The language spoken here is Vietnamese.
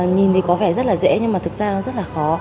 nhìn thì có vẻ rất là dễ nhưng mà thực ra nó rất là khó